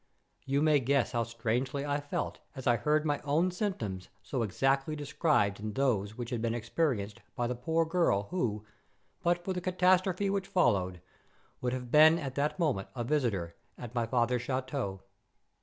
You may guess how strangely I felt as I heard my own symptoms so exactly described in those which had been experienced by the poor girl who, but for the catastrophe which followed, would have been at that moment a visitor at my father's chateau.